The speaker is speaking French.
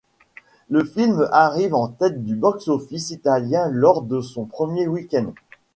Le film arrive en tête du box-office italien lors de son premier week-end.